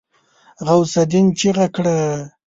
غوث االدين چيغه کړه.